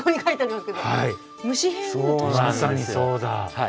まさにそうだ。